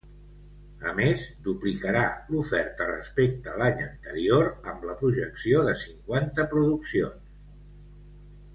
A més, duplicarà l'oferta respecte l'any anterior amb la projecció de cinquanta produccions.